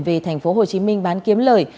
về thành phố hồ chí minh bán kiếm lời